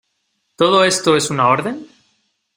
¿ todo esto es una orden?